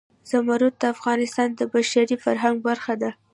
زمرد د افغانستان د بشري فرهنګ برخه ده.